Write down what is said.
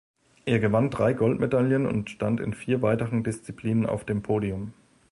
Er gewann drei Goldmedaillen und stand in vier weiteren Disziplinen auf dem Podium.